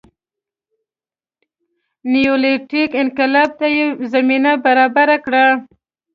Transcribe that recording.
نیولیتیک انقلاب ته یې زمینه برابره کړه